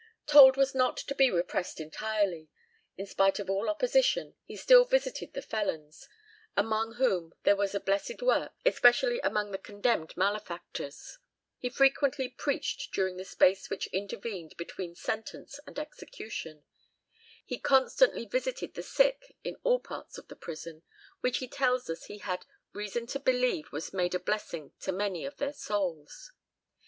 Told was not to be repressed entirely. In spite of all opposition, he still visited the felons, among whom there was a blessed work, especially among the condemned malefactors. He frequently preached during the space which intervened between sentence and execution; he constantly visited the sick in all parts of the prison, which he tells us he had "reason to believe was made a blessing to many of their souls."